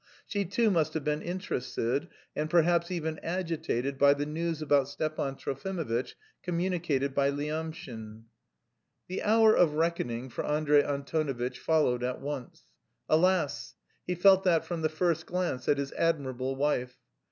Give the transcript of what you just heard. She too must have been interested, and perhaps even agitated, by the news about Stepan Trofimovitch communicated by Lyamshin. The hour of reckoning for Andrey Antonovitch followed at once. Alas! he felt that from the first glance at his admirable wife.